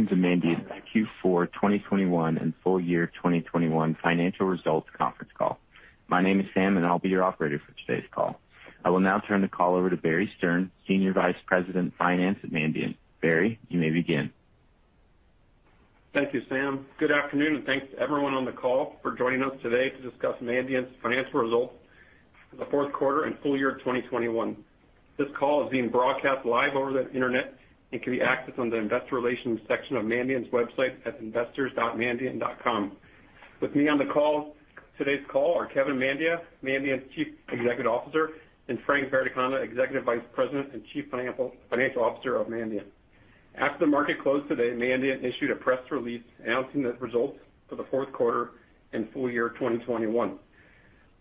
Welcome to Mandiant Q4 2021 and full year 2021 financial results conference call. My name is Sam, and I'll be your operator for today's call. I will now turn the call over to Barry Stern, Senior Vice President of Finance at Mandiant. Barry, you may begin. Thank you, Sam. Good afternoon, and thanks to everyone on the call for joining us today to discuss Mandiant's financial results for the fourth quarter and full year of 2021. This call is being broadcast live over the internet and can be accessed on the investor relations section of Mandiant's website at investors.mandiant.com. With me on today's call are Kevin Mandia, Mandiant's Chief Executive Officer, and Frank Verdecanna, Executive Vice President and Chief Financial Officer of Mandiant. After the market closed today, Mandiant issued a press release announcing the results for the fourth quarter and full year 2021.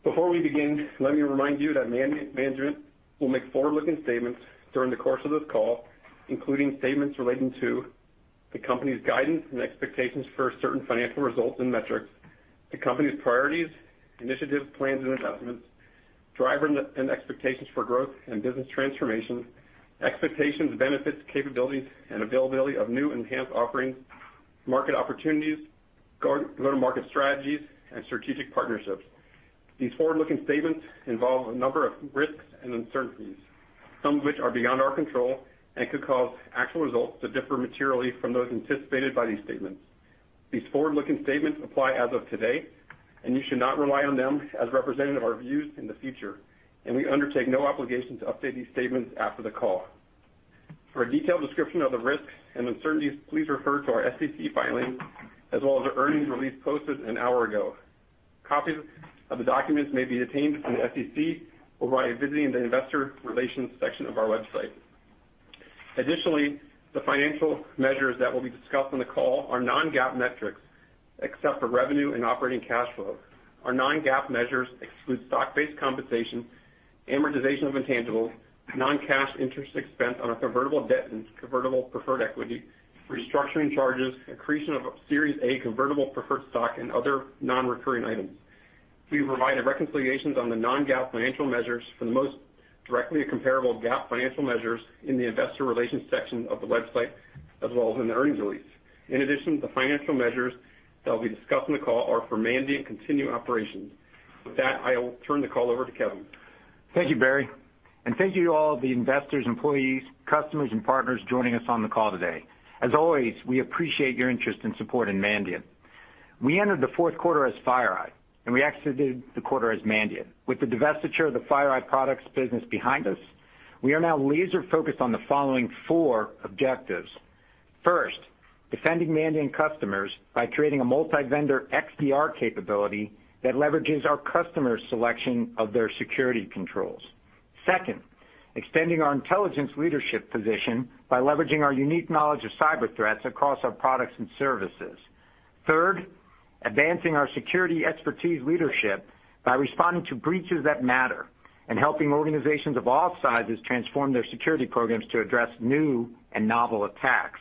Before we begin, let me remind you that Mandiant management will make forward-looking statements during the course of this call, including statements relating to the company's guidance and expectations for certain financial results and metrics, the company's priorities, initiatives, plans and investments, drivers and expectations for growth and business transformations, expectations, benefits, capabilities and availability of new enhanced offerings, market opportunities, go-to-market strategies and strategic partnerships. These forward-looking statements involve a number of risks and uncertainties, some of which are beyond our control and could cause actual results to differ materially from those anticipated by these statements. These forward-looking statements apply as of today, and you should not rely on them as representative of our views in the future, and we undertake no obligation to update these statements after the call. For a detailed description of the risks and uncertainties, please refer to our SEC filings as well as our earnings release posted an hour ago. Copies of the documents may be obtained from the SEC or by visiting the investor relations section of our website. Additionally, the financial measures that will be discussed on the call are non-GAAP metrics, except for revenue and operating cash flow. Our non-GAAP measures exclude stock-based compensation, amortization of intangibles, non-cash interest expense on our convertible debt and convertible preferred equity, restructuring charges, accretion of Series A convertible preferred stock, and other non-recurring items. We provide reconciliations on the non-GAAP financial measures for the most directly comparable GAAP financial measures in the investor relations section of the website, as well as in the earnings release. In addition, the financial measures that will be discussed on the call are for Mandiant's continuing operations. With that, I will turn the call over to Kevin. Thank you, Barry, and thank you to all the investors, employees, customers and partners joining us on the call today. As always, we appreciate your interest and support in Mandiant. We entered the fourth quarter as FireEye, and we exited the quarter as Mandiant. With the divestiture of the FireEye Products business behind us, we are now laser-focused on the following four objectives. First, defending Mandiant customers by creating a multi-vendor XDR capability that leverages our customers' selection of their security controls. Second, extending our intelligence leadership position by leveraging our unique knowledge of cyber threats across our products and services. Third, advancing our security expertise leadership by responding to breaches that matter and helping organizations of all sizes transform their security programs to address new and novel attacks.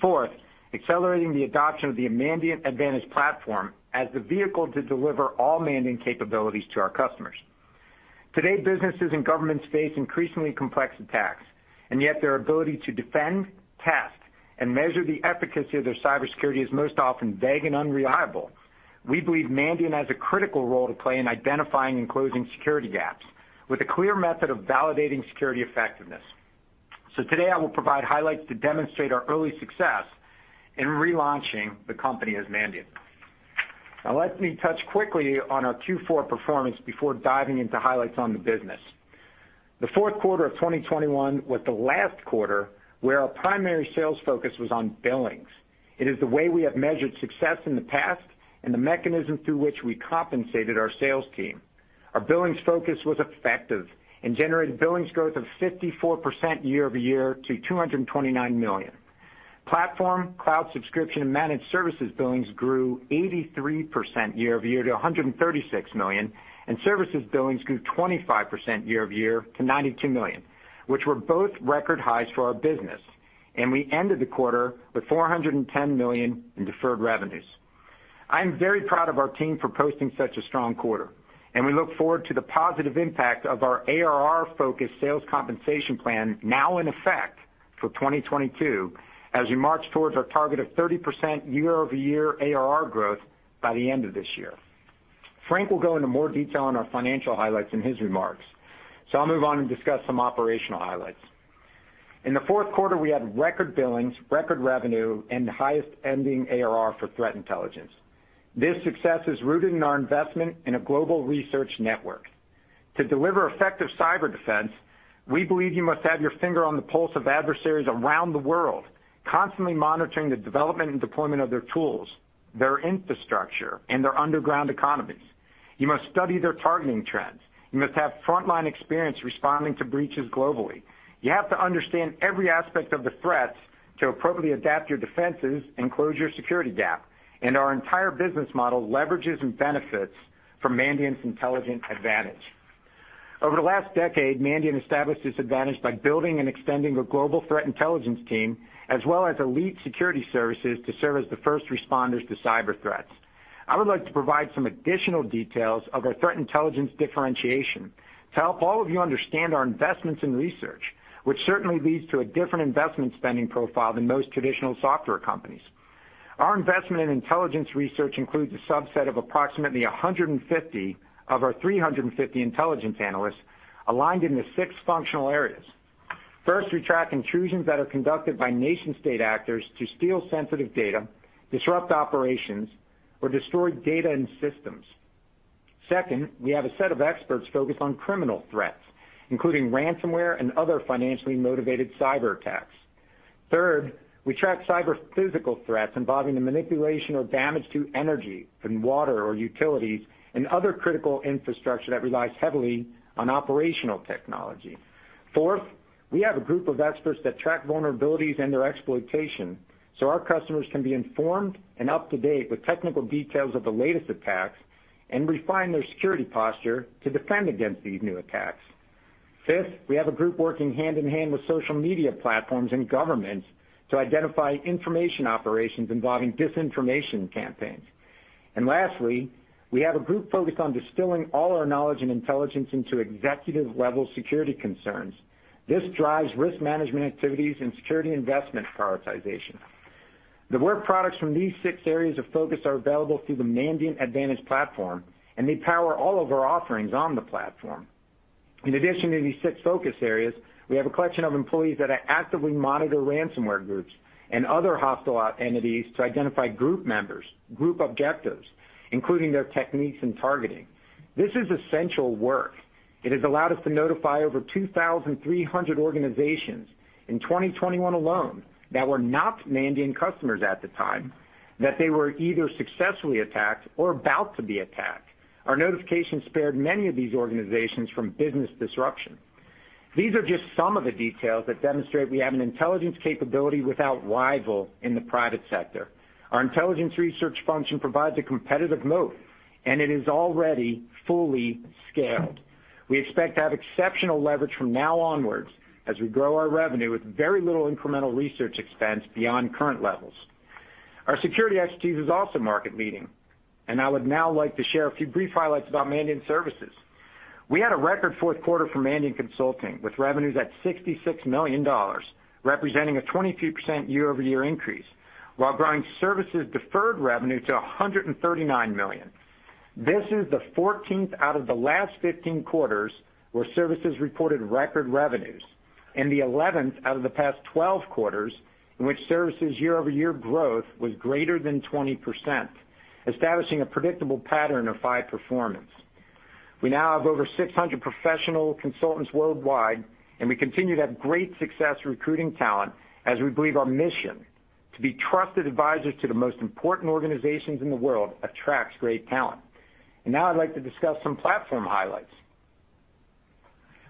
Fourth, accelerating the adoption of the Mandiant Advantage platform as the vehicle to deliver all Mandiant capabilities to our customers. Today, businesses and governments face increasingly complex attacks, and yet their ability to defend, test, and measure the efficacy of their cybersecurity is most often vague and unreliable. We believe Mandiant has a critical role to play in identifying and closing security gaps with a clear method of validating security effectiveness. Today I will provide highlights to demonstrate our early success in relaunching the company as Mandiant. Now let me touch quickly on our Q4 performance before diving into highlights on the business. The fourth quarter of 2021 was the last quarter where our primary sales focus was on billings. It is the way we have measured success in the past and the mechanism through which we compensated our sales team. Our billings focus was effective and generated billings growth of 54% year-over-year to $229 million. Platform, cloud subscription, and managed services billings grew 83% year-over-year to $136 million, and services billings grew 25% year-over-year to $92 million, which were both record highs for our business. We ended the quarter with $410 million in deferred revenues. I am very proud of our team for posting such a strong quarter, and we look forward to the positive impact of our ARR-focused sales compensation plan now in effect for 2022 as we march towards our target of 30% year-over-year ARR growth by the end of this year. Frank will go into more detail on our financial highlights in his remarks, so I'll move on and discuss some operational highlights. In the fourth quarter, we had record billings, record revenue, and the highest ending ARR for threat intelligence. This success is rooted in our investment in a global research network. To deliver effective cyber defense, we believe you must have your finger on the pulse of adversaries around the world, constantly monitoring the development and deployment of their tools, their infrastructure, and their underground economies. You must study their targeting trends. You must have frontline experience responding to breaches globally. You have to understand every aspect of the threats to appropriately adapt your defenses and close your security gap. Our entire business model leverages and benefits from Mandiant's intelligence advantage. Over the last decade, Mandiant established this advantage by building and extending a global threat intelligence team, as well as elite security services to serve as the first responders to cyber threats. I would like to provide some additional details of our threat intelligence differentiation to help all of you understand our investments in research, which certainly leads to a different investment spending profile than most traditional software companies. Our investment in intelligence research includes a subset of approximately 150 of our 350 intelligence analysts aligned into six functional areas. First, we track intrusions that are conducted by nation-state actors to steal sensitive data, disrupt operations, or destroy data and systems. Second, we have a set of experts focused on criminal threats, including ransomware and other financially motivated cyberattacks. Third, we track cyber physical threats involving the manipulation or damage to energy and water or utilities and other critical infrastructure that relies heavily on operational technology. Fourth, we have a group of experts that track vulnerabilities and their exploitation so our customers can be informed and up to date with technical details of the latest attacks and refine their security posture to defend against these new attacks. Fifth, we have a group working hand-in-hand with social media platforms and governments to identify information operations involving disinformation campaigns. Lastly, we have a group focused on distilling all our knowledge and intelligence into executive-level security concerns. This drives risk management activities and security investment prioritization. The work products from these six areas of focus are available through the Mandiant Advantage platform, and they power all of our offerings on the platform. In addition to these six focus areas, we have a collection of employees that actively monitor ransomware groups and other hostile entities to identify group members, group objectives, including their techniques in targeting. This is essential work. It has allowed us to notify over 2,300 organizations in 2021 alone that were not Mandiant customers at the time, that they were either successfully attacked or about to be attacked. Our notification spared many of these organizations from business disruption. These are just some of the details that demonstrate we have an intelligence capability without rival in the private sector. Our intelligence research function provides a competitive moat, and it is already fully scaled. We expect to have exceptional leverage from now onwards as we grow our revenue with very little incremental research expense beyond current levels. Our security expertise is also market-leading, and I would now like to share a few brief highlights about Mandiant services. We had a record fourth quarter for Mandiant consulting, with revenues at $66 million, representing a 22% year-over-year increase, while growing services deferred revenue to $139 million. This is the 14th out of the last 15 quarters where services reported record revenues and the 11th out of the past 12 quarters in which services year-over-year growth was greater than 20%, establishing a predictable pattern of high performance. We now have over 600 professional consultants worldwide, and we continue to have great success recruiting talent as we believe our mission to be trusted advisors to the most important organizations in the world attracts great talent. Now I'd like to discuss some platform highlights.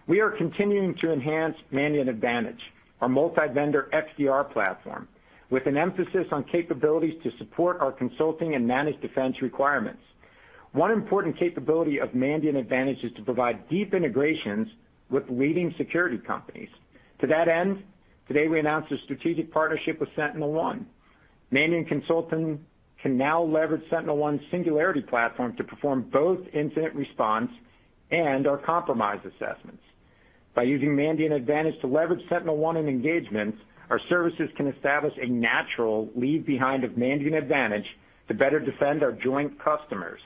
We are continuing to enhance Mandiant Advantage, our multi-vendor XDR platform, with an emphasis on capabilities to support our consulting and managed defense requirements. One important capability of Mandiant Advantage is to provide deep integrations with leading security companies. To that end, today, we announced a strategic partnership with SentinelOne. Mandiant Consulting can now leverage SentinelOne's Singularity platform to perform both incident response and our compromise assessments. By using Mandiant Advantage to leverage SentinelOne in engagements, our services can establish a natural leave behind of Mandiant Advantage to better defend our joint customers.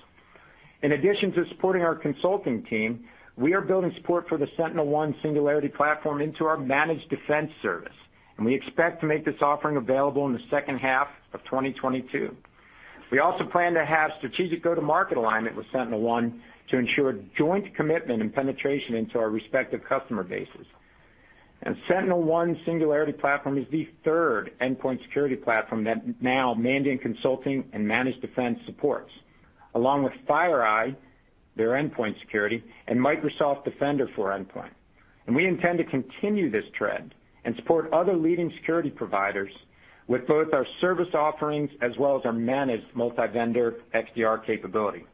In addition to supporting our consulting team, we are building support for the SentinelOne Singularity platform into our managed defense service, and we expect to make this offering available in the second half of 2022. We also plan to have strategic go-to-market alignment with SentinelOne to ensure joint commitment and penetration into our respective customer bases. SentinelOne Singularity platform is the third endpoint security platform that now Mandiant Consulting and Managed Defense supports, along with FireEye, their endpoint security, and Microsoft Defender for Endpoint. We intend to continue this trend and support other leading security providers with both our service offerings as well as our managed multi-vendor XDR capability.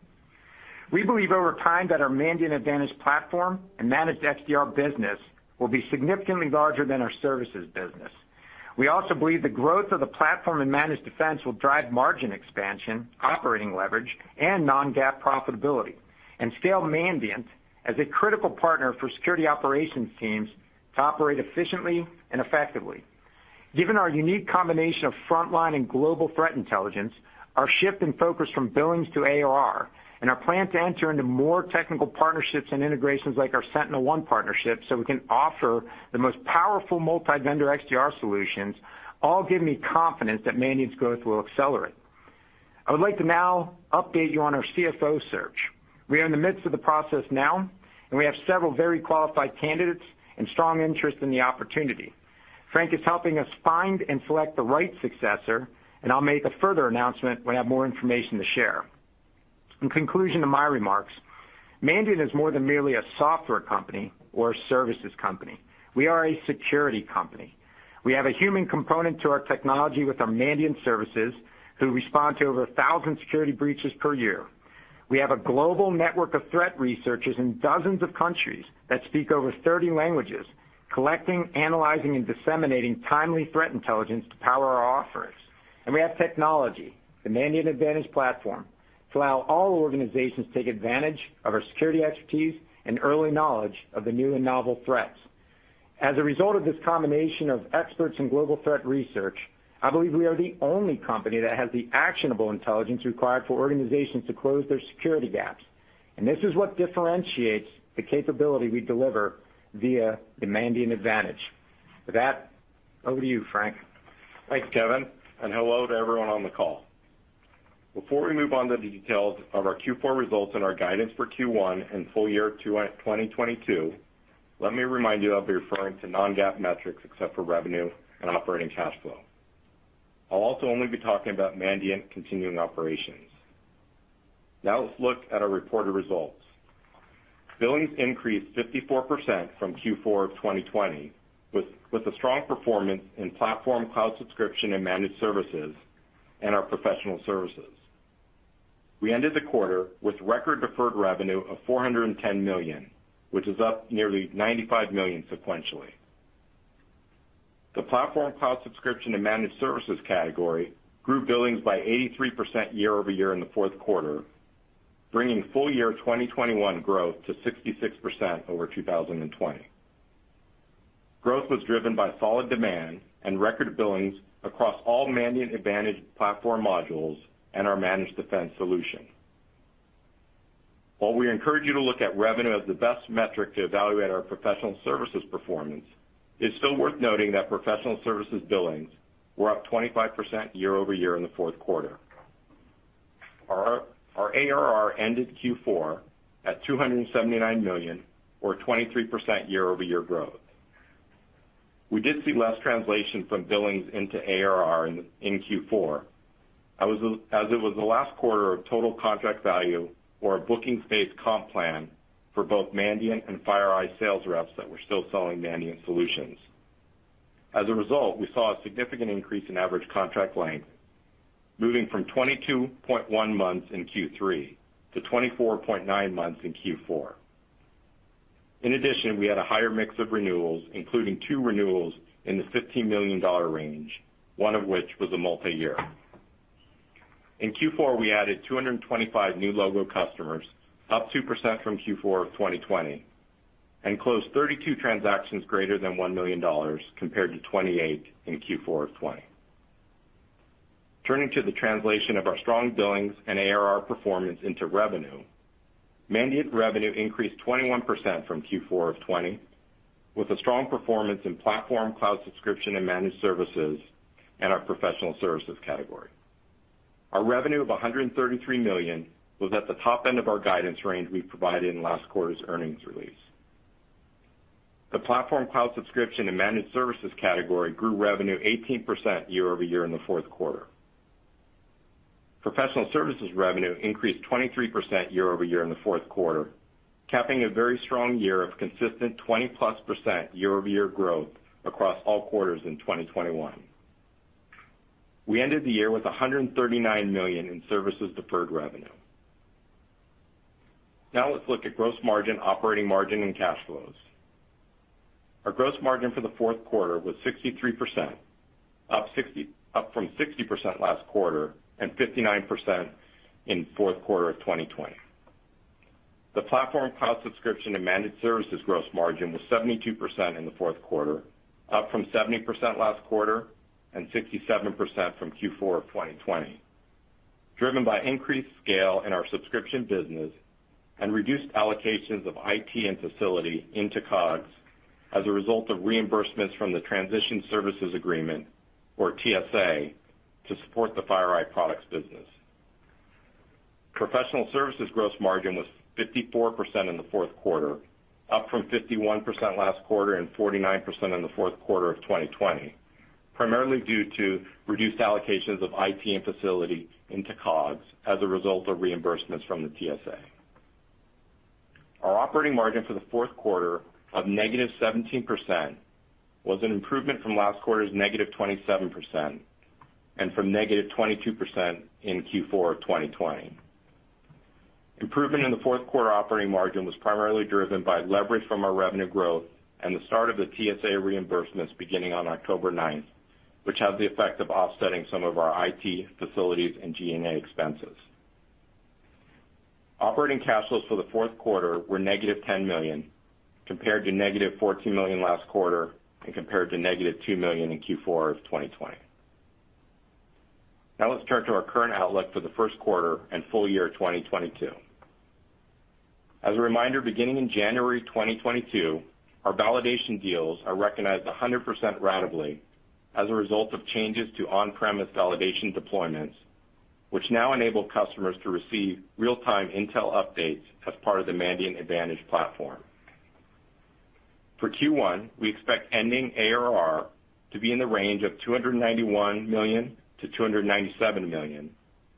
We believe over time that our Mandiant Advantage platform and managed XDR business will be significantly larger than our services business. We also believe the growth of the platform and Managed Defense will drive margin expansion, operating leverage, and non-GAAP profitability, and scale Mandiant as a critical partner for security operations teams to operate efficiently and effectively. Given our unique combination of frontline and global threat intelligence, our shift in focus from billings to ARR, and our plan to enter into more technical partnerships and integrations like our SentinelOne partnership, so we can offer the most powerful multi-vendor XDR solutions all give me confidence that Mandiant's growth will accelerate. I would like to now update you on our CFO search. We are in the midst of the process now, and we have several very qualified candidates and strong interest in the opportunity. Frank is helping us find and select the right successor, and I'll make a further announcement when I have more information to share. In conclusion to my remarks, Mandiant is more than merely a software company or a services company. We are a security company. We have a human component to our technology with our Mandiant Services who respond to over 1,000 security breaches per year. We have a global network of threat researchers in dozens of countries that speak over 30 languages, collecting, analyzing, and disseminating timely threat intelligence to power our offerings. We have technology, the Mandiant Advantage platform, to allow all organizations to take advantage of our security expertise and early knowledge of the new and novel threats. As a result of this combination of experts in global threat research, I believe we are the only company that has the actionable intelligence required for organizations to close their security gaps. This is what differentiates the capability we deliver via the Mandiant Advantage. With that, over to you, Frank. Thanks, Kevin, and hello to everyone on the call. Before we move on to the details of our Q4 results and our guidance for Q1 and full year 2022, let me remind you I'll be referring to non-GAAP metrics except for revenue and operating cash flow. I'll also only be talking about Mandiant continuing operations. Now let's look at our reported results. Billings increased 54% from Q4 of 2020 with a strong performance in platform cloud subscription and managed services and our professional services. We ended the quarter with record deferred revenue of $410 million, which is up nearly $95 million sequentially. The platform cloud subscription and managed services category grew billings by 83% year-over-year in the fourth quarter, bringing full year 2021 growth to 66% over 2020. Growth was driven by solid demand and record billings across all Mandiant Advantage platform modules and our managed defense solution. While we encourage you to look at revenue as the best metric to evaluate our professional services performance, it's still worth noting that professional services billings were up 25% year-over-year in the fourth quarter. Our ARR ended Q4 at $279 million, or 23% year-over-year growth. We did see less translation from billings into ARR in Q4 as it was the last quarter of total contract value or a bookings-based comp plan for both Mandiant and FireEye sales reps that were still selling Mandiant solutions. As a result, we saw a significant increase in average contract length, moving from 22.1 months in Q3 to 24.9 months in Q4. In addition, we had a higher mix of renewals, including two renewals in the $15 million range, one of which was a multi-year. In Q4, we added 225 new logo customers, up 2% from Q4 of 2020, and closed 32 transactions greater than $1 million compared to 28 in Q4 of 2020. Turning to the translation of our strong billings and ARR performance into revenue, Mandiant revenue increased 21% from Q4 of 2020, with a strong performance in platform cloud subscription and managed services and our professional services category. Our revenue of $133 million was at the top end of our guidance range we provided in last quarter's earnings release. The platform cloud subscription and managed services category grew revenue 18% year-over-year in the fourth quarter. Professional services revenue increased 23% year-over-year in the fourth quarter, capping a very strong year of consistent 20+% year-over-year growth across all quarters in 2021. We ended the year with $139 million in services deferred revenue. Now let's look at gross margin, operating margin, and cash flows. Our gross margin for the fourth quarter was 63%, up from 60% last quarter and 59% in fourth quarter of 2020. The platform cloud subscription and managed services gross margin was 72% in the fourth quarter, up from 70% last quarter and 67% from Q4 of 2020, driven by increased scale in our subscription business and reduced allocations of IT and facility into COGS as a result of reimbursements from the Transition Services Agreement, or TSA, to support the FireEye Products business. Professional services gross margin was 54% in the fourth quarter, up from 51% last quarter and 49% in the fourth quarter of 2020, primarily due to reduced allocations of IT and facilities into COGS as a result of reimbursements from the TSA. Our operating margin for the fourth quarter of -17% was an improvement from last quarter's -27% and from -22% in Q4 of 2020. Improvement in the fourth quarter operating margin was primarily driven by leverage from our revenue growth and the start of the TSA reimbursements beginning on October 9, which had the effect of offsetting some of our IT, facilities, and G&A expenses. Operating cash flows for the fourth quarter were -$10 million, compared to -$14 million last quarter and compared to -$2 million in Q4 of 2020. Now let's turn to our current outlook for the first quarter and full year 2022. As a reminder, beginning in January 2022, our validation deals are recognized 100% ratably as a result of changes to on-premise validation deployments, which now enable customers to receive real-time intel updates as part of the Mandiant Advantage platform. For Q1, we expect ending ARR to be in the range of $291 million-$297 million,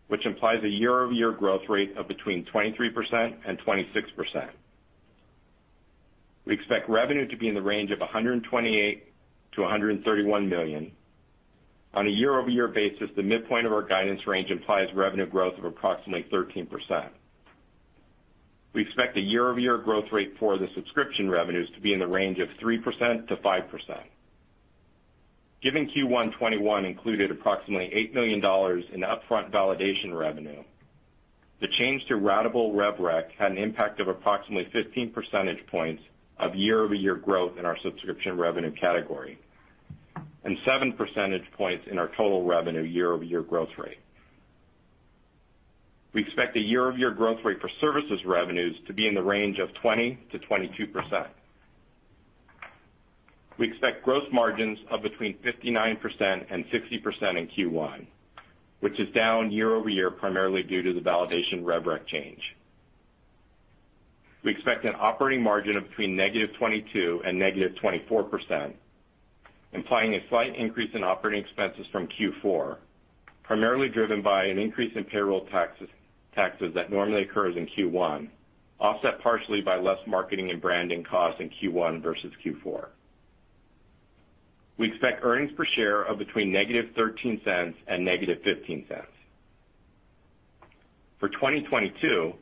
which implies a year-over-year growth rate of between 23% and 26%. We expect revenue to be in the range of $128 million-$131 million. On a year-over-year basis, the midpoint of our guidance range implies revenue growth of approximately 13%. We expect a year-over-year growth rate for the subscription revenues to be in the range of 3%-5%. Given Q1 2021 included approximately $8 million in upfront validation revenue, the change to ratable rev rec had an impact of approximately 15 percentage points of year-over-year growth in our subscription revenue category, and 7 percentage points in our total revenue year-over-year growth rate. We expect a year-over-year growth rate for services revenues to be in the range of 20%-22%. We expect gross margins of between 59% and 60% in Q1, which is down year-over-year, primarily due to the validation rev rec change. We expect an operating margin of between -22% and -24%, implying a slight increase in operating expenses from Q4, primarily driven by an increase in payroll taxes that normally occurs in Q1, offset partially by less marketing and branding costs in Q1 versus Q4. We expect earnings per share of between -$0.13 and -$0.15. For 2022,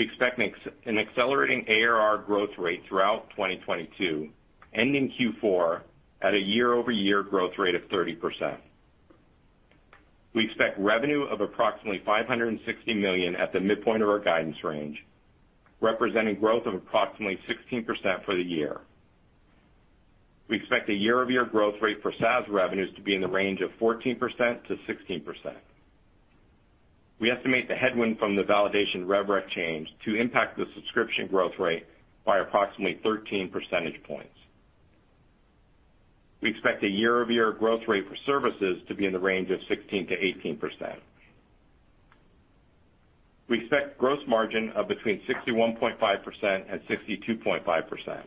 we expect an accelerating ARR growth rate throughout 2022, ending Q4 at a year-over-year growth rate of 30%. We expect revenue of approximately $560 million at the midpoint of our guidance range, representing growth of approximately 16% for the year. We expect a year-over-year growth rate for SaaS revenues to be in the range of 14%-16%. We estimate the headwind from the validation rev rec change to impact the subscription growth rate by approximately 13 percentage points. We expect a year-over-year growth rate for services to be in the range of 16%-18%. We expect gross margin of between 61.5% and 62.5%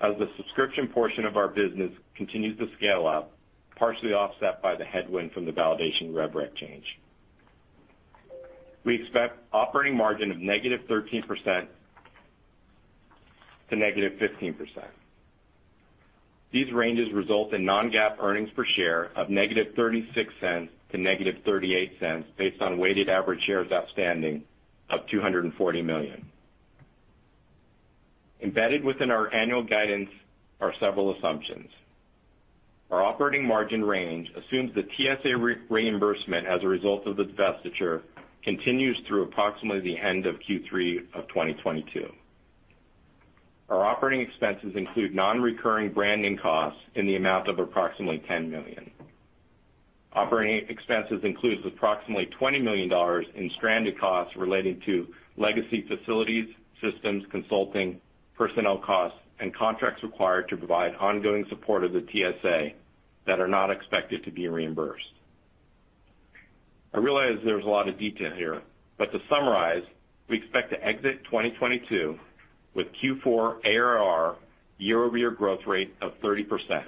as the subscription portion of our business continues to scale up, partially offset by the headwind from the validation rev rec change. We expect operating margin of -13% to -15%. These ranges result in non-GAAP earnings per share of -$0.36 to -$0.38 based on weighted average shares outstanding of 240 million. Embedded within our annual guidance are several assumptions. Our operating margin range assumes the TSA reimbursement as a result of the divestiture continues through approximately the end of Q3 of 2022. Our operating expenses include non-recurring branding costs in the amount of approximately $10 million. Operating expenses includes approximately $20 million in stranded costs relating to legacy facilities, systems, consulting, personnel costs, and contracts required to provide ongoing support of the TSA that are not expected to be reimbursed. I realize there's a lot of detail here, but to summarize, we expect to exit 2022 with Q4 ARR year-over-year growth rate of 30%.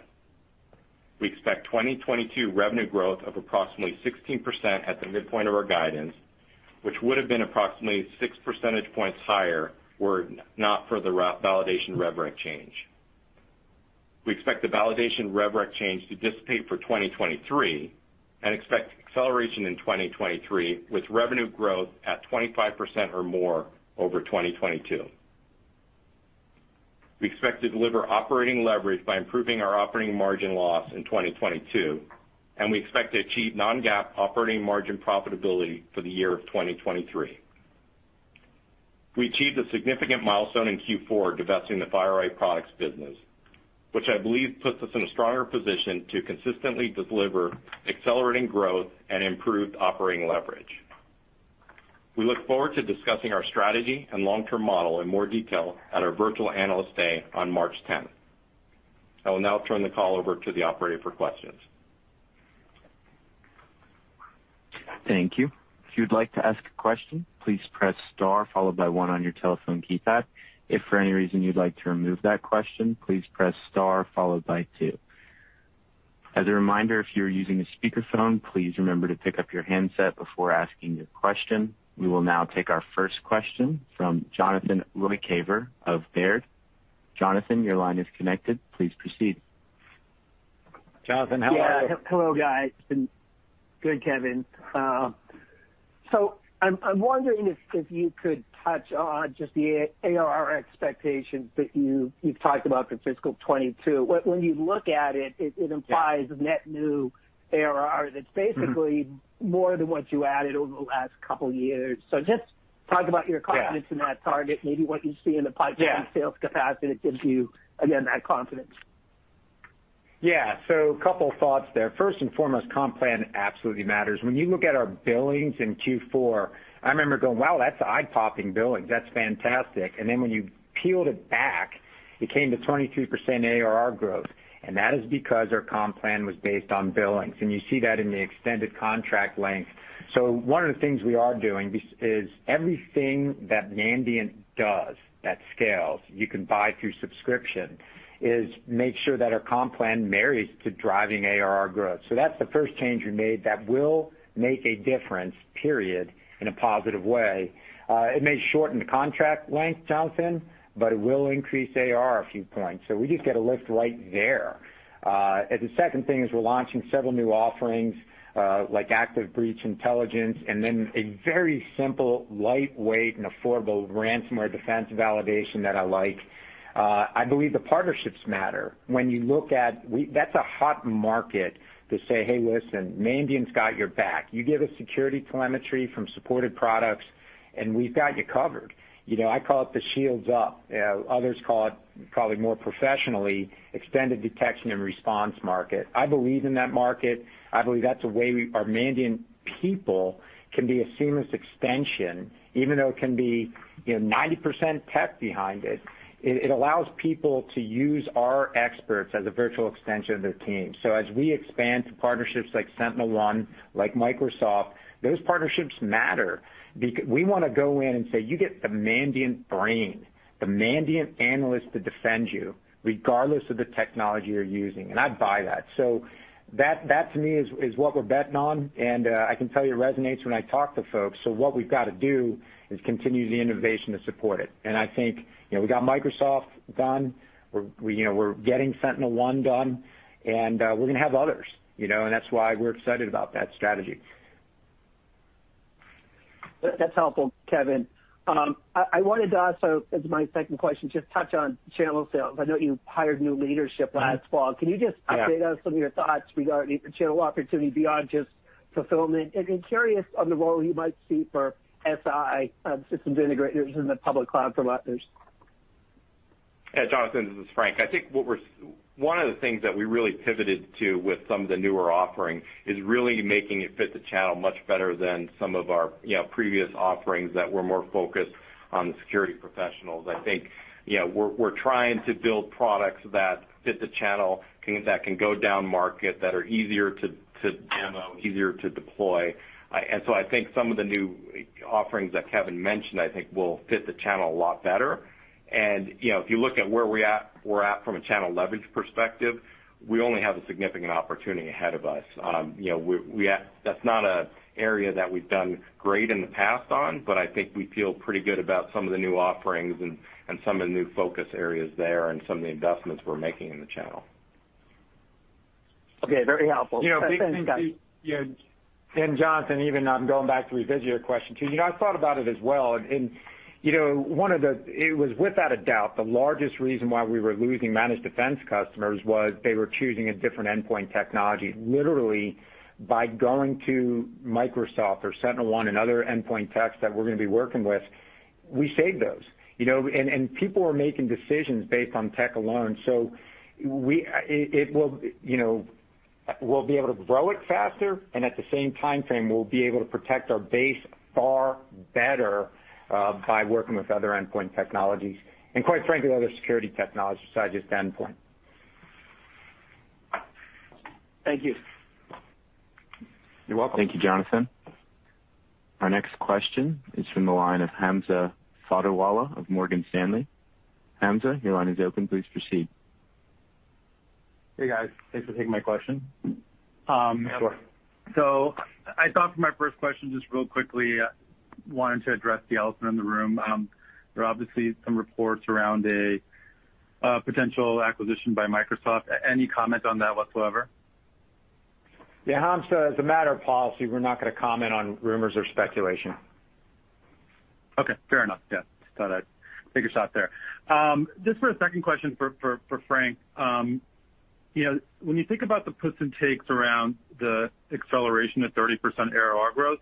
We expect 2022 revenue growth of approximately 16% at the midpoint of our guidance, which would have been approximately 6 percentage points higher were it not for the Ransomware Defense Validation rev rec change. We expect the validation rev rec change to dissipate for 2023 and expect acceleration in 2023 with revenue growth at 25% or more over 2022. We expect to deliver operating leverage by improving our operating margin loss in 2022, and we expect to achieve non-GAAP operating margin profitability for the year of 2023. We achieved a significant milestone in Q4, divesting the FireEye Products business, which I believe puts us in a stronger position to consistently deliver accelerating growth and improved operating leverage. We look forward to discussing our strategy and long-term model in more detail at our virtual Analyst Day on March 10th. I will now turn the call over to the operator for questions. Thank you. If you'd like to ask a question, please press star followed by one on your telephone keypad. If for any reason you'd like to remove that question, please press star followed by two. As a reminder, if you are using a speakerphone, please remember to pick up your handset before asking your question. We will now take our first question from Jonathan Ruykhaver of Baird. Jonathan, your line is connected. Please proceed. Jonathan, how are you? Yeah. Hello, guys. Been good, Kevin. I'm wondering if you could touch on just the ARR expectations that you've talked about for fiscal 2022. When you look at it implies- Yeah. Net new ARR that's basically- Mm-hmm. More than what you added over the last couple years. Just talk about your confidence- Yeah. In that target, maybe what you see in the pipeline Yeah. Sales capacity gives you, again, that confidence. Yeah. A couple thoughts there. First and foremost, comp plan absolutely matters. When you look at our billings in Q4, I remember going, "Wow, that's eye-popping billings. That's fantastic." Then when you peeled it back it came to 22% ARR growth, and that is because our comp plan was based on billings, and you see that in the extended contract length. One of the things we are doing is everything that Mandiant does that scales you can buy through subscription is make sure that our comp plan marries to driving ARR growth. That's the first change we made that will make a difference, period, in a positive way. It may shorten the contract length, Jonathan, but it will increase ARR a few points. We just get a lift right there. The second thing is we're launching several new offerings, like active breach intelligence and then a very simple, lightweight, and affordable Ransomware Defense Validation that I like. I believe the partnerships matter. That's a hot market to say, "Hey, listen, Mandiant's got your back. You give us security telemetry from supported products, and we've got you covered." You know, I call it the shields up. Others call it, probably more professionally, extended detection and response market. I believe in that market. I believe that's a way our Mandiant people can be a seamless extension, even though it can be, you know, 90% tech behind it. It allows people to use our experts as a virtual extension of their team. As we expand to partnerships like SentinelOne, like Microsoft, those partnerships matter we wanna go in and say, "You get the Mandiant brain, the Mandiant analyst to defend you regardless of the technology you're using." I buy that. That to me is what we're betting on. I can tell you it resonates when I talk to folks. What we've got to do is continue the innovation to support it. I think, you know, we got Microsoft done. We're getting SentinelOne done, and we're gonna have others, you know, and that's why we're excited about that strategy. That's helpful, Kevin. I wanted to also, as my second question, just touch on channel sales. I know you hired new leadership last fall. Yeah. Can you just update us on your thoughts regarding the channel opportunity beyond just fulfillment? Curious on the role you might see for SI, systems integrators and the public cloud providers. Yeah, Jonathan, this is Frank. I think one of the things that we really pivoted to with some of the newer offerings is really making it fit the channel much better than some of our, you know, previous offerings that were more focused on the security professionals. I think, you know, we're trying to build products that fit the channel, things that can go down market, that are easier to demo, easier to deploy. I think some of the new offerings that Kevin mentioned will fit the channel a lot better. You know, if you look at where we're at from a channel leverage perspective, we only have a significant opportunity ahead of us. You know, that's not an area that we've done great in the past on, but I think we feel pretty good about some of the new offerings and some of the new focus areas there and some of the investments we're making in the channel. Okay. Very helpful. You know, big thing, you know, and Jonathan, even I'm going back to revisit your question, too. You know, I thought about it as well. You know, one of the. It was without a doubt, the largest reason why we were losing Managed Defense customers was they were choosing a different endpoint technology. Literally, by going to Microsoft or SentinelOne and other endpoint techs that we're gonna be working with, we save those, you know. People are making decisions based on tech alone. It will, you know. We'll be able to grow it faster, and at the same timeframe, we'll be able to protect our base far better, by working with other endpoint technologies, and quite frankly, other security technologies besides just endpoint. Thank you. You're welcome. Thank you, Jonathan. Our next question is from the line of Hamza Fodderwala of Morgan Stanley. Hamza, your line is open. Please proceed. Hey, guys. Thanks for taking my question. Yeah, sure. I thought for my first question, just real quickly, wanted to address the elephant in the room. There are obviously some reports around a potential acquisition by Microsoft. Any comment on that whatsoever? Yeah, Hamza, as a matter of policy, we're not gonna comment on rumors or speculation. Okay. Fair enough. Yeah. Just thought I'd take a shot there. Just for a second question for Frank. You know, when you think about the puts and takes around the acceleration of 30% ARR growth,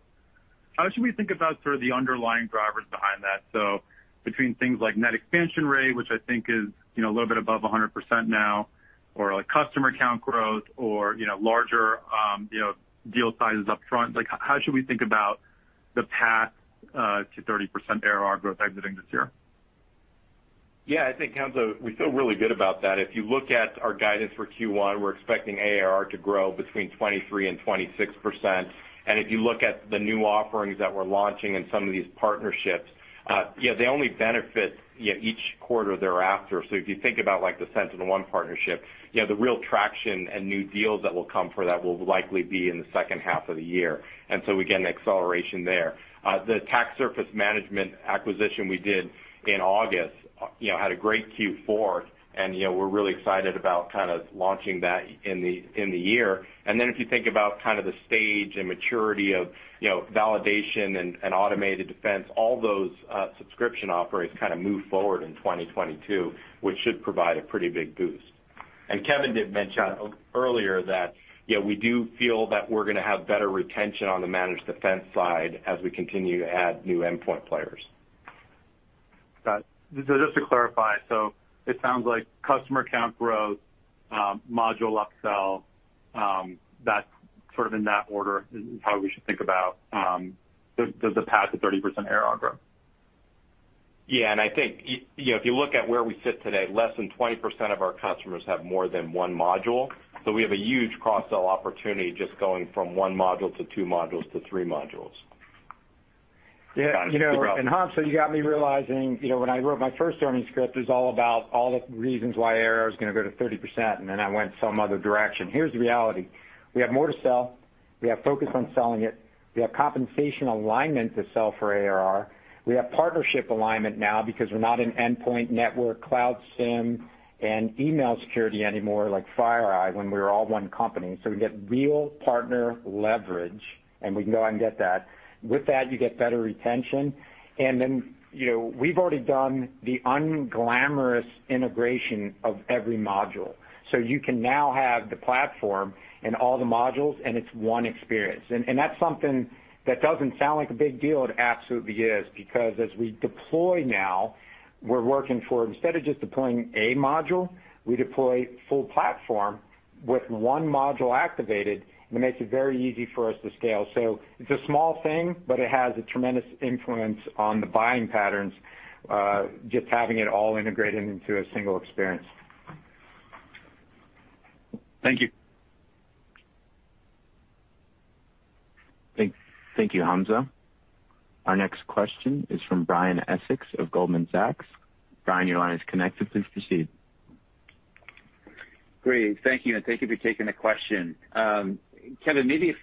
how should we think about sort of the underlying drivers behind that? Between things like net expansion rate, which I think is, you know, a little bit above 100% now, or like customer count growth or, you know, larger, you know, deal sizes up front. Like how should we think about the path to 30% ARR growth exiting this year? Yeah, I think, Hamza, we feel really good about that. If you look at our guidance for Q1, we're expecting ARR to grow between 23% and 26%. If you look at the new offerings that we're launching and some of these partnerships, you know, they only benefit, you know, each quarter thereafter. If you think about like the SentinelOne partnership, you know, the real traction and new deals that will come for that will likely be in the second half of the year. Again, acceleration there. The attack surface management acquisition we did in August, you know, had a great Q4, and, you know, we're really excited about kind of launching that in the year. Then if you think about kind of the stage and maturity of, you know, validation and automated defense, all those subscription offerings kind of move forward in 2022, which should provide a pretty big boost. Kevin did mention earlier that, you know, we do feel that we're gonna have better retention on the managed defense side as we continue to add new endpoint players. Got it. Just to clarify, so it sounds like customer count growth, module upsell. That's sort of in that order how we should think about the path to 30% ARR growth. Yeah. I think, you know, if you look at where we sit today, less than 20% of our customers have more than one module. So we have a huge cross-sell opportunity just going from one module to two modules to three modules. Yeah. You know, Hamza, you got me realizing, you know, when I wrote my first earnings script, it was all about all the reasons why ARR was gonna go to 30%, and then I went some other direction. Here's the reality. We have more to sell. We have focus on selling it. We have compensation alignment to sell for ARR. We have partnership alignment now because we're not in endpoint, network, cloud SIEM, and email security anymore, like FireEye when we were all one company. We get real partner leverage, and we can go out and get that. With that, you get better retention. You know, we've already done the unglamorous integration of every module. You can now have the platform and all the modules, and it's one experience. That's something that doesn't sound like a big deal. It absolutely is because as we deploy now, we're working for instead of just deploying a module, we deploy full platform with one module activated, and it makes it very easy for us to scale. It's a small thing, but it has a tremendous influence on the buying patterns, just having it all integrated into a single experience. Thank you. Thank you, Hamza. Our next question is from Brian Essex of Goldman Sachs. Brian, your line is connected. Please proceed. Great. Thank you, and thank you for taking the question. Kevin, maybe if,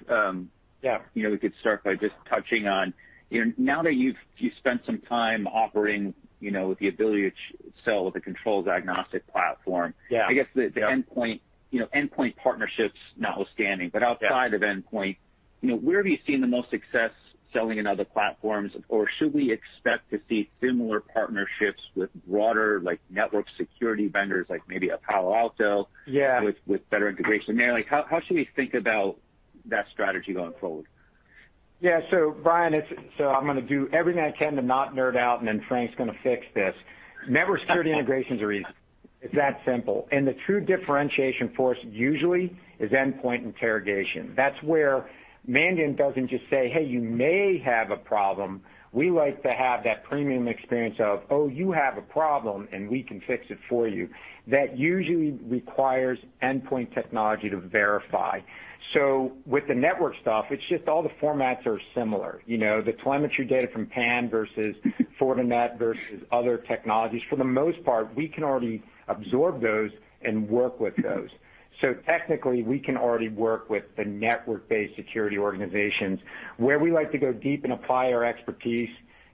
Yeah You know, we could start by just touching on, you know, now that you've spent some time operating, you know, with the ability to cross-sell the controls diagnostic platform Yeah. I guess the endpoint, you know, endpoint partnerships notwithstanding, but outside Yeah... of endpoint, you know, where have you seen the most success selling in other platforms, or should we expect to see similar partnerships with broader, like, network security vendors like maybe a Palo Alto- Yeah With better integration there? Like, how should we think about that strategy going forward? Yeah, Brian. I'm gonna do everything I can to not nerd out, and then Frank's gonna fix this. Network security integrations are easy. It's that simple. The true differentiation for us usually is endpoint interrogation. That's where Mandiant doesn't just say, "Hey, you may have a problem." We like to have that premium experience of, "Oh, you have a problem, and we can fix it for you." That usually requires endpoint technology to verify. With the network stuff, it's just all the formats are similar. You know, the telemetry data from PAN versus Fortinet versus other technologies, for the most part, we can already absorb those and work with those. Technically, we can already work with the network-based security organizations. Where we like to go deep and apply our expertise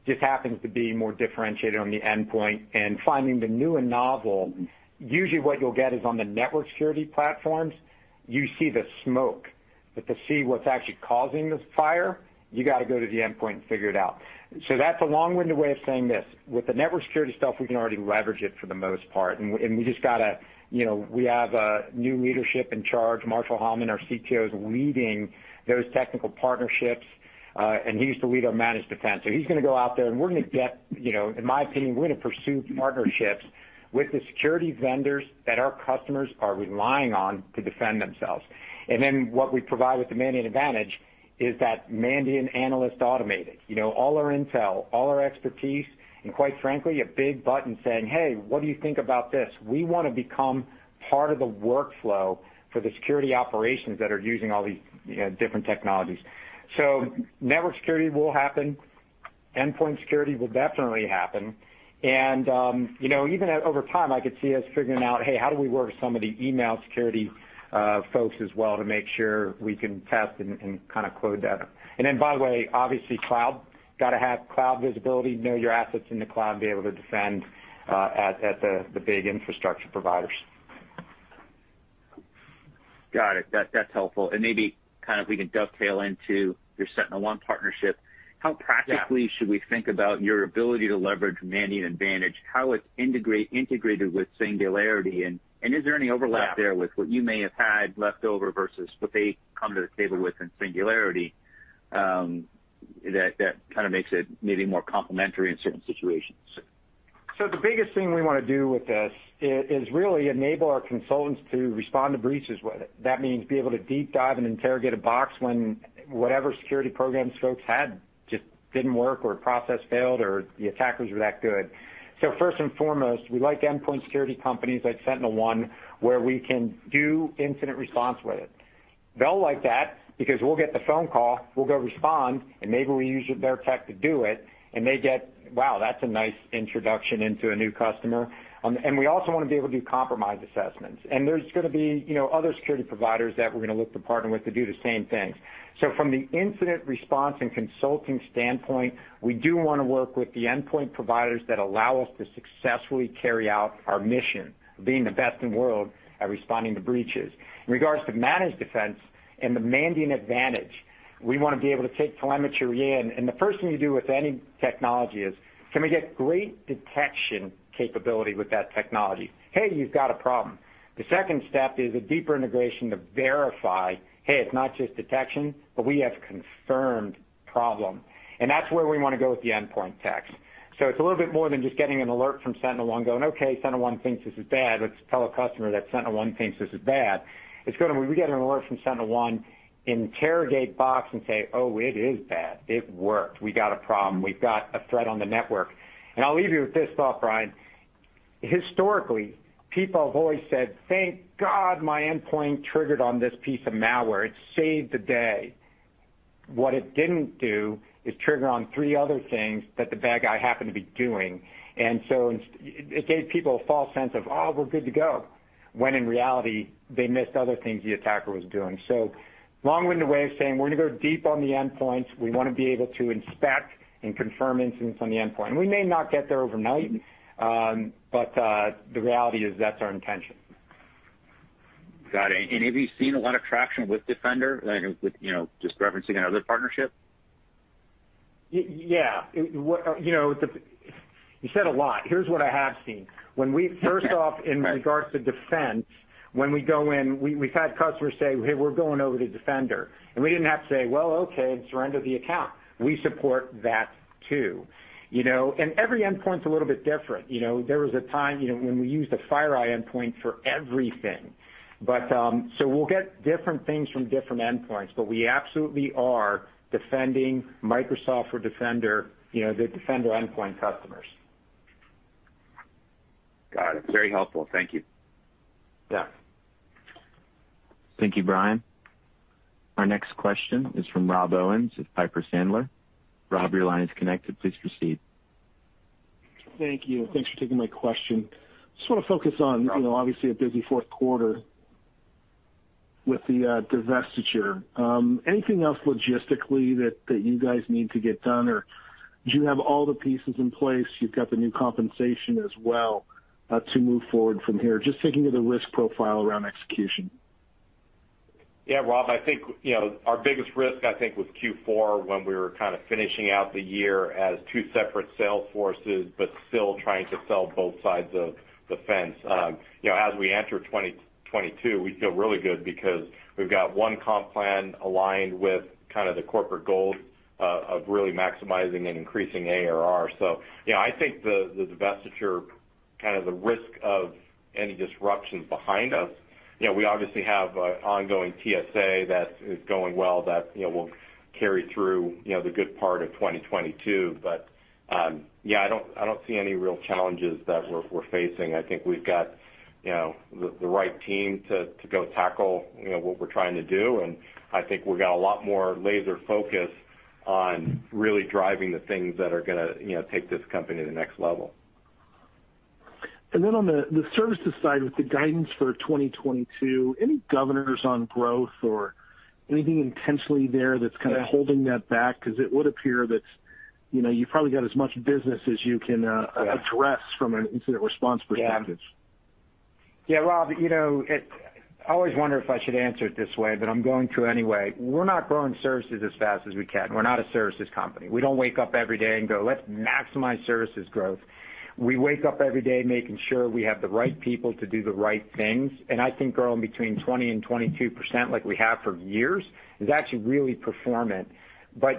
just happens to be more differentiated on the endpoint and finding the new and novel. Usually, what you'll get is on the network security platforms, you see the smoke. To see what's actually causing this fire, you gotta go to the endpoint and figure it out. That's a long-winded way of saying this. With the network security stuff, we can already leverage it for the most part, and we just gotta, you know, we have a new leadership in charge. Marshall Heilman, our CTO, is leading those technical partnerships, and he used to lead our Managed Defense. He's gonna go out there, and we're gonna get, you know, in my opinion, we're gonna pursue partnerships with the security vendors that our customers are relying on to defend themselves. What we provide with the Mandiant Advantage is that Mandiant analyst automated. You know, all our intel, all our expertise, and quite frankly, a big button saying, "Hey, what do you think about this?" We wanna become part of the workflow for the security operations that are using all these, you know, different technologies. Network security will happen. Endpoint security will definitely happen. You know, even over time, I could see us figuring out, "Hey, how do we work with some of the email security folks as well to make sure we can test and kinda code that?" By the way, obviously cloud. Gotta have cloud visibility, know your assets in the cloud and be able to defend at the big infrastructure providers. Got it. That, that's helpful. Maybe kind of we can dovetail into your SentinelOne partnership. Yeah. How practically should we think about your ability to leverage Mandiant Advantage, how it's integrated with Singularity, and is there any overlap there? Yeah... with what you may have had left over versus what they come to the table with in Singularity, that kinda makes it maybe more complementary in certain situations? The biggest thing we wanna do with this is really enable our consultants to respond to breaches with it. That means be able to deep dive and interrogate a box when whatever security programs folks had just didn't work or a process failed or the attackers were that good. First and foremost, we like endpoint security companies like SentinelOne, where we can do incident response with it. They'll like that because we'll get the phone call, we'll go respond, and maybe we use their tech to do it, and they get, "Wow, that's a nice introduction into a new customer." We also wanna be able to do compromise assessments. There's gonna be, you know, other security providers that we're gonna look to partner with to do the same things. From the incident response and consulting standpoint, we do wanna work with the endpoint providers that allow us to successfully carry out our mission of being the best in the world at responding to breaches. In regard to Mandiant Managed Defense and the Mandiant Advantage, we wanna be able to take telemetry in, and the first thing you do with any technology is, can we get great detection capability with that technology? Hey, you've got a problem. The second step is a deeper integration to verify, hey, it's not just detection, but we have confirmed problem. That's where we wanna go with the endpoint techs. It's a little bit more than just getting an alert from SentinelOne going, "Okay, SentinelOne thinks this is bad. Let's tell a customer that SentinelOne thinks this is bad." It's gonna be we get an alert from SentinelOne, interrogate box and say, "Oh, it is bad. It worked. We got a problem. We've got a threat on the network." I'll leave you with this thought, Brian. Historically, people have always said, "Thank God my endpoint triggered on this piece of malware. It saved the day." What it didn't do is trigger on three other things that the bad guy happened to be doing. It gave people a false sense of, "Oh, we're good to go," when in reality, they missed other things the attacker was doing. Long-winded way of saying we're gonna go deep on the endpoints. We wanna be able to inspect and confirm incidents on the endpoint. We may not get there overnight, but the reality is that's our intention. Got it. Have you seen a lot of traction with Defender, you know, with, you know, just referencing another partnership? Yeah. What, you know, you said a lot. Here's what I have seen. When we- Right. First off, in regards to defense, when we go in, we've had customers say, "Hey, we're going over to Defender." We didn't have to say, "Well, okay, surrender the account." We support that, too. You know, every endpoint's a little bit different. You know, there was a time, you know, when we used a FireEye endpoint for everything. We'll get different things from different endpoints, but we absolutely are defending Microsoft or Defender, you know, the Defender endpoint customers. Got it. Very helpful. Thank you. Yeah. Thank you, Brian. Our next question is from Rob Owens of Piper Sandler. Rob, your line is connected. Please proceed. Thank you. Thanks for taking my question. Just wanna focus on, you know, obviously a busy fourth quarter with the divestiture. Anything else logistically that you guys need to get done, or do you have all the pieces in place? You've got the new compensation as well to move forward from here. Just thinking of the risk profile around execution. Yeah, Rob, I think, you know, our biggest risk, I think, was Q4, when we were kind of finishing out the year as two separate sales forces, but still trying to sell both sides of the fence. You know, as we enter 2022, we feel really good because we've got one comp plan aligned with kind of the corporate goals of really maximizing and increasing ARR. Yeah, I think the divestiture, kind of the risk of any disruption's behind us. You know, we obviously have an ongoing TSA that is going well, that, you know, will carry through, you know, the good part of 2022. Yeah, I don't see any real challenges that we're facing. I think we've got, you know, the right team to go tackle, you know, what we're trying to do, and I think we've got a lot more laser focus on really driving the things that are gonna, you know, take this company to the next level. On the services side, with the guidance for 2022, any governors on growth or anything intentionally there that's kind of holding that back? 'Cause it would appear that, you know, you've probably got as much business as you can... Yeah ...address from an incident response perspective. Yeah. Yeah, Rob, you know, it. I always wonder if I should answer it this way, but I'm going to anyway. We're not growing services as fast as we can. We're not a services company. We don't wake up every day and go, "Let's maximize services growth." We wake up every day making sure we have the right people to do the right things, and I think growing between 20% and 22% like we have for years is actually really performant.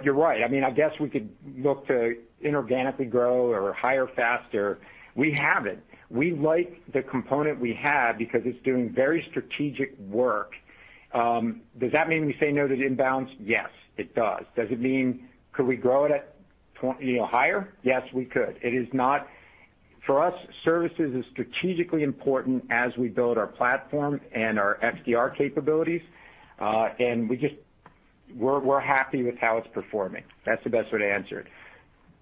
You're right. I mean, I guess we could look to inorganically grow or hire faster. We haven't. We like the component we have because it's doing very strategic work. Does that mean we say no to the inbounds? Yes, it does. Does it mean could we grow it at, you know, higher? Yes, we could. For us, services is strategically important as we build our platform and our XDR capabilities. We're happy with how it's performing. That's the best way to answer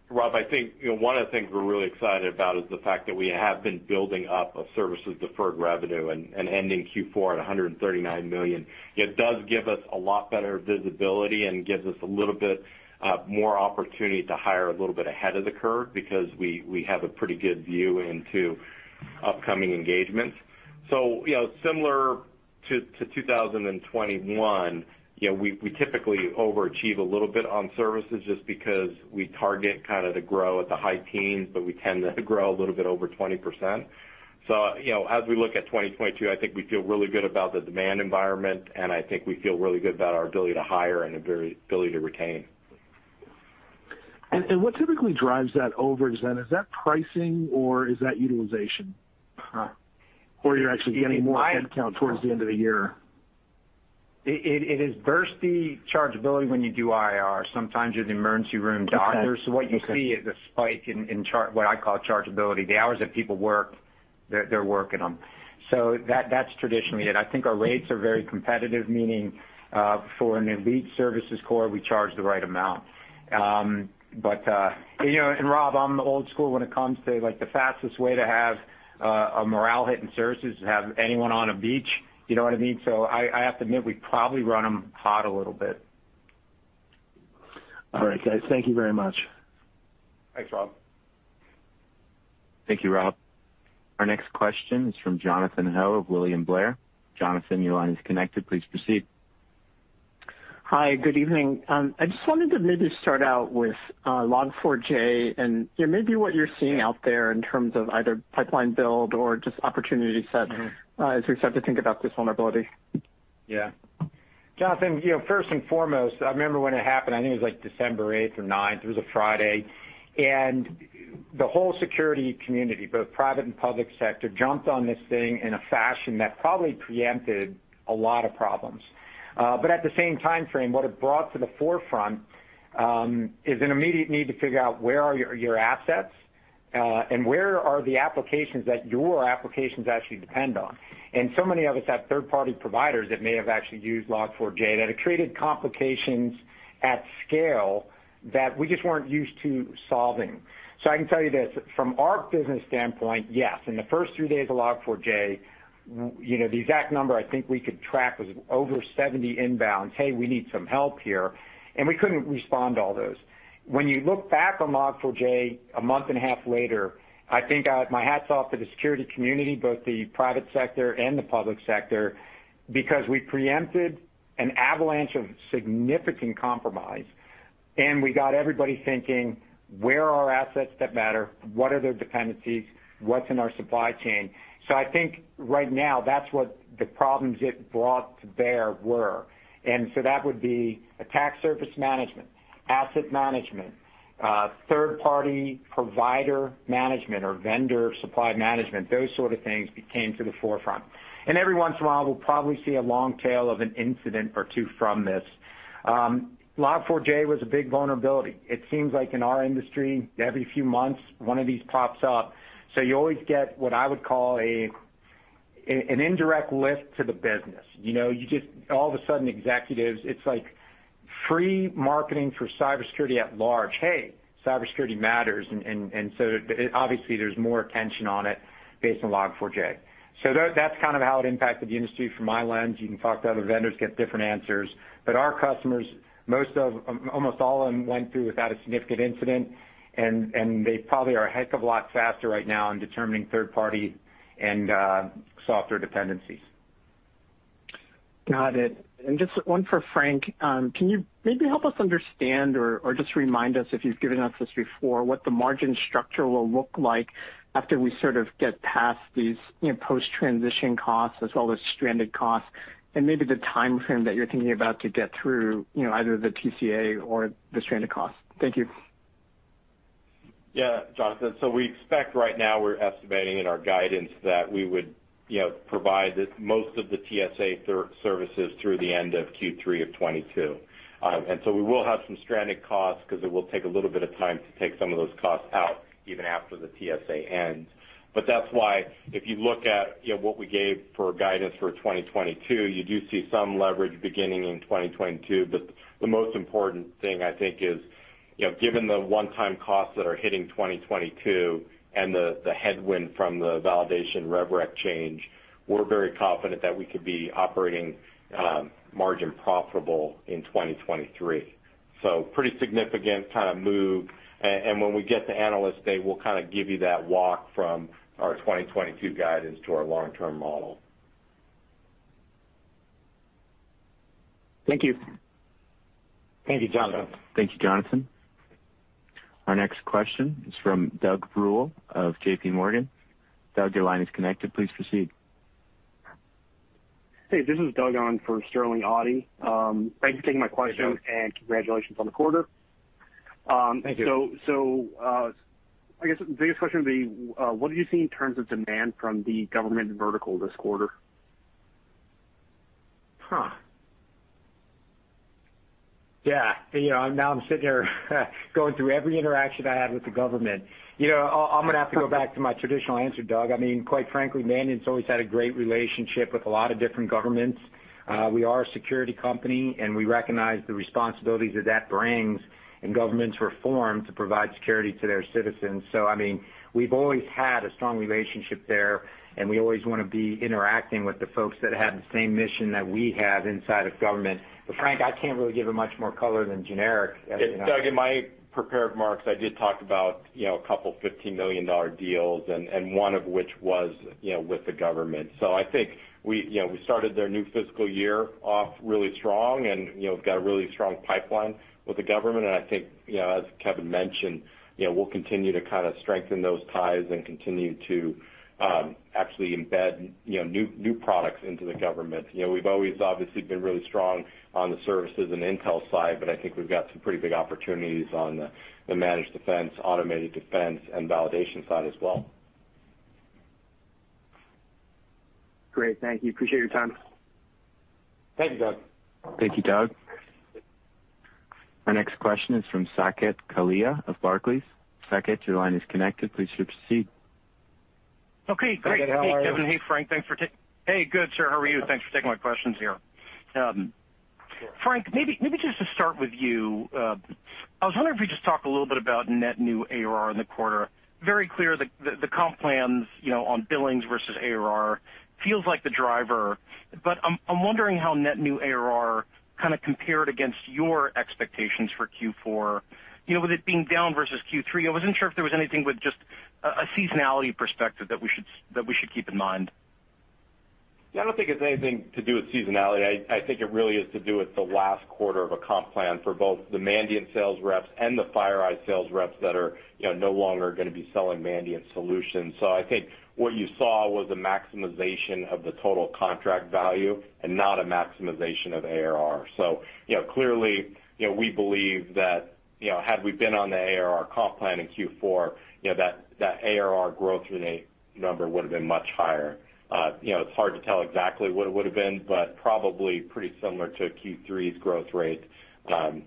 it. Rob, I think, you know, one of the things we're really excited about is the fact that we have been building up a services deferred revenue and ending Q4 at $139 million. It does give us a lot better visibility and gives us a little bit more opportunity to hire a little bit ahead of the curve because we have a pretty good view into upcoming engagements. You know, similar to 2021, you know, we typically overachieve a little bit on services just because we target kind of to grow at the high teens, but we tend to grow a little bit over 20%. You know, as we look at 2022, I think we feel really good about the demand environment, and I think we feel really good about our ability to hire and ability to retain. What typically drives that overage then? Is that pricing or is that utilization? Huh. You're actually getting more headcount towards the end of the year? It is bursty chargeability when you do IR. Sometimes you're the emergency room doctor. Okay. Okay. What you see is a spike in what I call chargeability. The hours that people work, they're working them. That's traditionally it. I think our rates are very competitive, meaning for an elite services corps, we charge the right amount. You know, and Rob, I'm old school when it comes to, like, the fastest way to have a morale hit in services is to have anyone on a beach. You know what I mean? I have to admit, we probably run them hot a little bit. All right, guys. Thank you very much. Thanks, Rob. Thank you, Rob. Our next question is from Jonathan Ho of William Blair. Jonathan, your line is connected. Please proceed. Hi, good evening. I just wanted to maybe start out with Log4j and, you know, maybe what you're seeing out there in terms of either pipeline build or just opportunity set- Mm-hmm As we start to think about this vulnerability. Yeah. Jonathan, you know, first and foremost, I remember when it happened. I think it was like December eighth or ninth. It was a Friday. The whole security community, both private and public sector, jumped on this thing in a fashion that probably preempted a lot of problems. At the same timeframe, what it brought to the forefront is an immediate need to figure out where are your assets and where are the applications that your applications actually depend on? Many of us have third-party providers that may have actually used Log4j that have created complications at scale that we just weren't used to solving. I can tell you this, from our business standpoint, yes, in the first three days of Log4j, you know, the exact number I think we could track was over 70 inbounds. Hey, we need some help here. We couldn't respond to all those. When you look back on Log4j a month and a half later, I think, my hat's off to the security community, both the private sector and the public sector, because we preempted an avalanche of significant compromise, and we got everybody thinking, where are our assets that matter? What are their dependencies? What's in our supply chain? I think right now, that's what the problems it brought to bear were. That would be attack surface management, asset management, third-party provider management or vendor supply management. Those sort of things came to the forefront. Every once in a while, we'll probably see a long tail of an incident or two from this. Log4j was a big vulnerability. It seems like in our industry, every few months, one of these pops up. You always get what I would call an indirect lift to the business. You know, you just all of a sudden executives, it's like free marketing for cybersecurity at large. Hey, cybersecurity matters, and so obviously there's more attention on it based on Log4j. That's kind of how it impacted the industry from my lens. You can talk to other vendors, get different answers. Our customers, most of, almost all of them went through without a significant incident, and they probably are a heck of a lot faster right now in determining third party and software dependencies. Got it. Just one for Frank. Can you maybe help us understand or just remind us if you've given us this before, what the margin structure will look like after we sort of get past these, you know, post-transition costs as well as stranded costs, and maybe the timeframe that you're thinking about to get through, you know, either the TSA or the stranded costs? Thank you. Yeah. Jonathan, we expect right now we're estimating in our guidance that we would, you know, provide this most of the TSA services through the end of Q3 of 2022. We will have some stranded costs because it will take a little bit of time to take some of those costs out even after the TSA ends. That's why if you look at, you know, what we gave for guidance for 2022, you do see some leverage beginning in 2022. The most important thing, I think is, you know, given the one-time costs that are hitting 2022 and the headwind from the validation rev rec change, we're very confident that we could be operating margin profitable in 2023. Pretty significant kind of move. When we get to Analyst Day, we'll kind of give you that walk from our 2022 guidance to our long-term model. Thank you. Thank you, Jonathan. Thank you, Jonathan. Our next question is from Doug Bruehl of JPMorgan. Doug, your line is connected. Please proceed. Hey, this is Doug on for Sterling Auty. Thanks for taking my question. Hey, Doug. Congratulations on the quarter. Thank you. I guess the biggest question would be, what do you see in terms of demand from the government vertical this quarter? You know, now I'm sitting here going through every interaction I had with the government. You know, I'm gonna have to go back to my traditional answer, Doug. I mean, quite frankly, Mandiant's always had a great relationship with a lot of different governments. We are a security company, and we recognize the responsibilities that that brings and governments were formed to provide security to their citizens. I mean, we've always had a strong relationship there, and we always wanna be interacting with the folks that have the same mission that we have inside of government. Frank, I can't really give it much more color than generic as you know. Doug, in my prepared remarks, I did talk about, you know, a couple $15 million deals and one of which was, you know, with the government. I think we, you know, we started their new fiscal year off really strong and, you know, got a really strong pipeline with the government. I think, you know, as Kevin mentioned, you know, we'll continue to kind of strengthen those ties and continue to actually embed, you know, new products into the government. You know, we've always obviously been really strong on the services and intel side, but I think we've got some pretty big opportunities on the managed defense, automated defense, and validation side as well. Great. Thank you. I appreciate your time. Thank you, Doug. Thank you, Doug. Our next question is from Saket Kalia of Barclays. Saket, your line is connected. Please proceed. Okay, great. Saket, how are you? Hey, Kevin. Hey, Frank. Hey, good, sir. How are you? Thanks for taking my questions here. Frank, maybe just to start with you, I was wondering if you could just talk a little bit about net new ARR in the quarter. Very clear the comp plans, you know, on billings versus ARR feels like the driver. I'm wondering how net new ARR kinda compared against your expectations for Q4. You know, with it being down versus Q3, I wasn't sure if there was anything with just a seasonality perspective that we should keep in mind. Yeah, I don't think it's anything to do with seasonality. I think it really is to do with the last quarter of a comp plan for both the Mandiant sales reps and the FireEye sales reps that are, you know, no longer gonna be selling Mandiant solutions. So I think what you saw was a maximization of the total contract value and not a maximization of ARR. So, you know, clearly, you know, we believe that, you know, had we been on the ARR comp plan in Q4, you know, that ARR growth rate number would have been much higher. You know, it's hard to tell exactly what it would have been, but probably pretty similar to Q3's growth rate of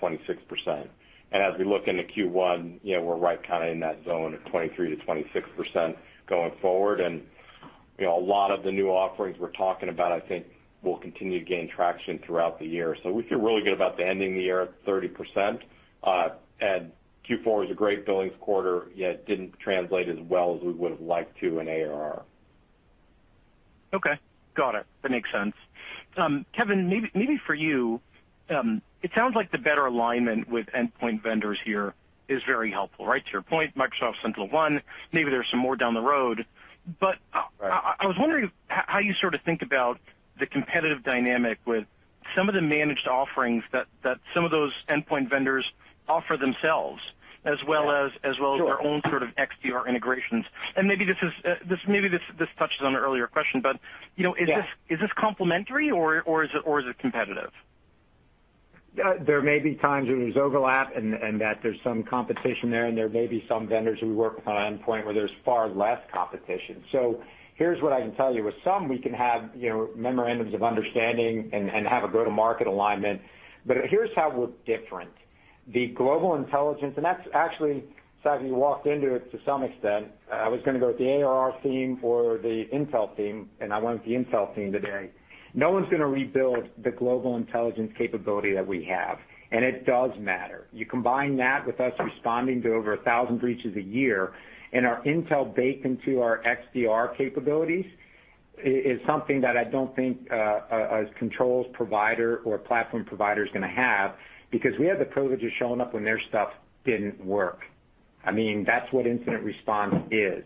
26%. As we look into Q1, you know, we're right kinda in that zone of 23%-26% going forward. You know, a lot of the new offerings we're talking about, I think will continue to gain traction throughout the year. We feel really good about ending the year at 30%. Q4 is a great billings quarter, yet it didn't translate as well as we would have liked to in ARR. Okay, got it. That makes sense. Kevin, maybe for you, it sounds like the better alignment with endpoint vendors here is very helpful. Right to your point, Microsoft, SentinelOne, maybe there's some more down the road. But- Right. I was wondering how you sort of think about the competitive dynamic with some of the managed offerings that some of those endpoint vendors offer themselves, as well as- Sure. As well as their own sort of XDR integrations. Maybe this touches on an earlier question, but you know- Yeah. Is this complementary or is it competitive? Yeah. There may be times where there's overlap and that there's some competition there, and there may be some vendors who work with an endpoint where there's far less competition. Here's what I can tell you. With some, we can have, you know, memorandums of understanding and have a go-to-market alignment. Here's how we're different. The global intelligence, and that's actually, Saket, you walked into it to some extent. I was gonna go with the ARR team or the intel team, and I went with the intel team today. No one's gonna rebuild the global intelligence capability that we have, and it does matter. You combine that with us responding to over 1,000 breaches a year, and our intel baked into our XDR capabilities is something that I don't think a controls provider or platform provider is gonna have because we have the privilege of showing up when their stuff didn't work. I mean, that's what incident response is.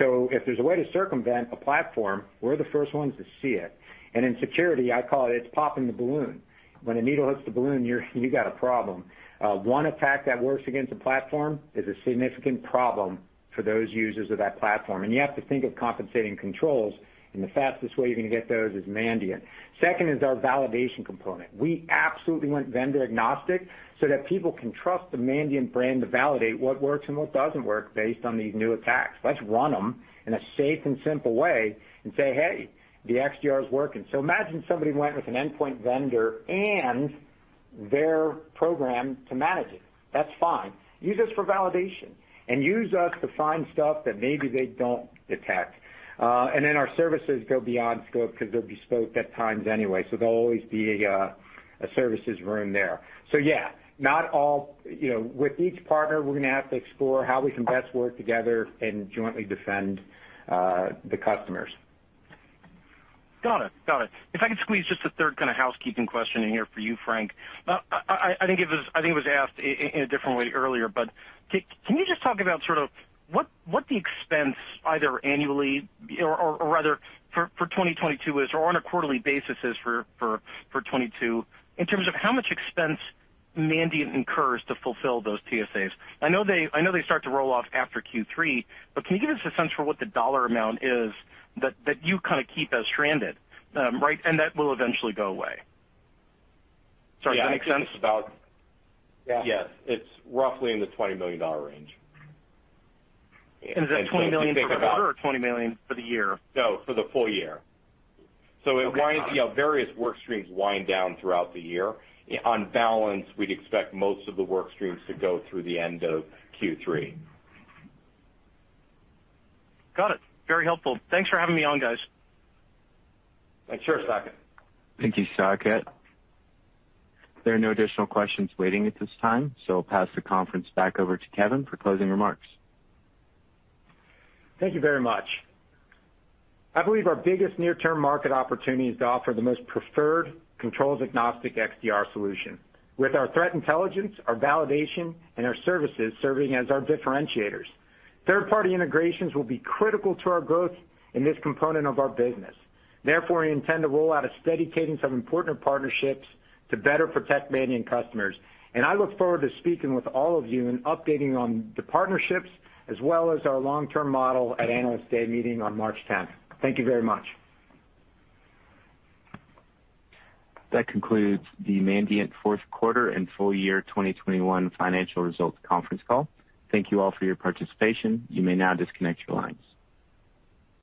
If there's a way to circumvent a platform, we're the first ones to see it. In security, I call it popping the balloon. When a needle hits the balloon, you got a problem. One attack that works against a platform is a significant problem for those users of that platform. You have to think of compensating controls, and the fastest way you're gonna get those is Mandiant. Second is our validation component. We absolutely went vendor agnostic so that people can trust the Mandiant brand to validate what works and what doesn't work based on these new attacks. Let's run them in a safe and simple way and say, "Hey, the XDR is working." Imagine somebody went with an endpoint vendor and their program to manage it. That's fine. Use us for validation and use us to find stuff that maybe they don't detect. And then our services go beyond scope because they're bespoke at times anyway, so there'll always be a services room there. Yeah, not all, you know, with each partner, we're gonna have to explore how we can best work together and jointly defend the customers. Got it. If I could squeeze just a third kinda housekeeping question in here for you, Frank. I think it was asked in a different way earlier, but can you just talk about sort of what the expense either annually or rather for 2022 is, or on a quarterly basis is for 2022 in terms of how much expense Mandiant incurs to fulfill those TSAs? I know they start to roll off after Q3, but can you give us a sense for what the dollar amount is that you kind of keep as stranded, right, and that will eventually go away? Sorry, does that make sense? Yeah. I think it's about. Yeah. Yes. It's roughly in the $20 million range. Is that $20 million for the quarter or $20 million for the year? No, for the full year. Okay, got it. It winds, you know, various work streams wind down throughout the year. On balance, we'd expect most of the work streams to go through the end of Q3. Got it. Very helpful. Thanks for having me on, guys. Sure, Saket. Thank you, Saket. There are no additional questions waiting at this time, so I'll pass the conference back over to Kevin for closing remarks. Thank you very much. I believe our biggest near-term market opportunity is to offer the most preferred controls agnostic XDR solution, with our threat intelligence, our validation, and our services serving as our differentiators. Third-party integrations will be critical to our growth in this component of our business. Therefore, we intend to roll out a steady cadence of important partnerships to better protect Mandiant customers. I look forward to speaking with all of you and updating on the partnerships as well as our long-term model at Analyst Day meeting on March 10th. Thank you very much. That concludes the Mandiant fourth quarter and full year 2021 financial results conference call. Thank you all for your participation. You may now disconnect your lines.